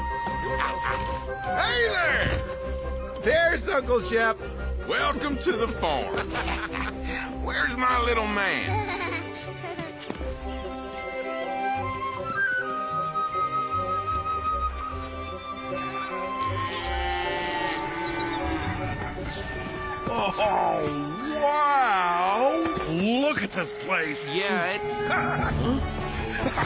フハハハハ！